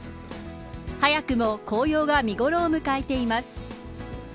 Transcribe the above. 早くも紅葉が見頃を迎えています。